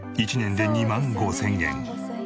１年で２万５０００円。